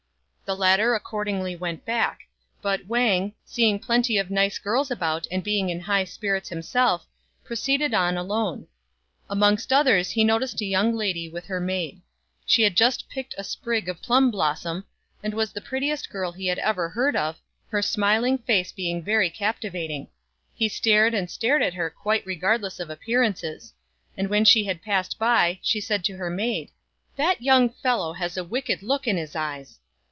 The latter accordingly went back ; but Wang, seeing plenty of nice girls about and being in high spirits himself, proceeded on alone. Amongst others, he noticed a young lady with her maid. She had just picked a sprig of plum blossom, and was the prettiest girl he had ever heard of a perfect bunch of smiles. He stared and stared at her quite re gardless of appearances ; and when she had passed by, FROM A CHINESE STUDIO. 1 07 she said to her maid, " That young fellow has a wicked look in his eyes."